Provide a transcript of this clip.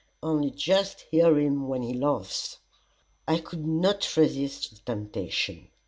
Only just hear him when he laughs." I could not resist the temptation.